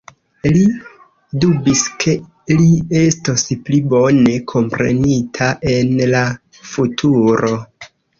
Li dubis, ke li estos pli bone komprenita en la futuro.